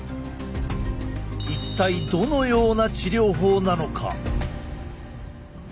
一体どのような治療法なのか。